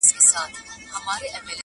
ژبه یې لمبه ده اور په زړه لري!.